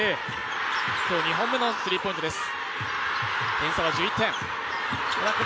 今日２本目のスリーポイントです。